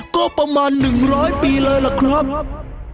ก็ประมาณ๑๐๐ปีเลยล่ะครับ